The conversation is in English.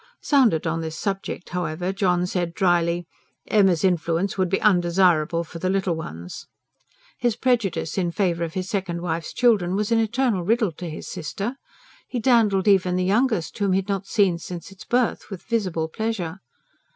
Sounded on this subject, however, John said dryly: "Emma's influence would be undesirable for the little ones." His prejudice in favour of his second wife's children was an eternal riddle to his sister. He dandled even the youngest, whom he had not seen since its birth, with visible pleasure.